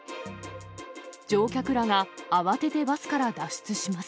乗客らが慌ててバスから脱出します。